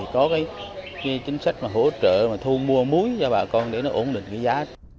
chính sách mà hỗ trợ mà thu mua muối cho bà con để nó ổn định cái giá